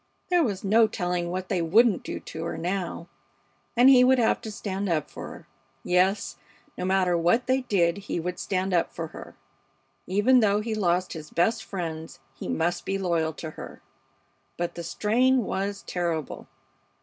There was no telling what they wouldn't do to her now. And he would have to stand up for her. Yes, no matter what they did, he would stand up for her! Even though he lost his best friends, he must be loyal to her; but the strain was terrible!